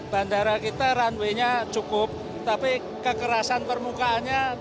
bandara kita runway nya cukup tapi kekerasan permukaannya